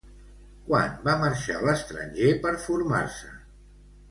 Quan va marxar a l'estranger per formar-se?